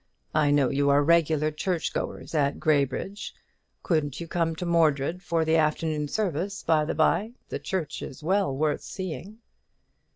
I know you are regular church goers at Graybridge. Couldn't you come to Mordred for the afternoon service, by the bye? the church is well worth seeing."